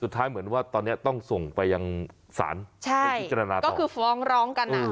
สุดท้ายเหมือนว่าตอนเนี้ยต้องส่งไปยังสารใช่ก็คือฟ้องร้องกันอ่ะ